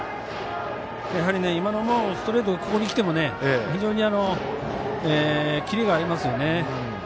やはり、今のもストレートここに来ても非常にキレがありますよね。